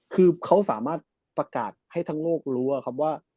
คือเขาสามารถประกาศให้ทั้งโลกรู้ครับว่า